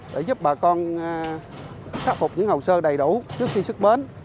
để giúp bà con khắc phục những hồ sơ đầy đủ trước khi xuất bến